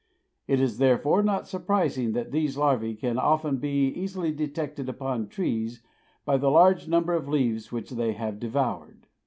It is therefore not surprising that these larvae can often be easily detected upon trees by the large number of leaves which they have devoured.